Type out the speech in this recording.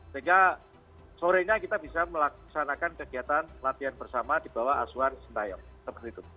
sehingga sore ini kita bisa melaksanakan kegiatan latihan bersama di bawah asuhan sentai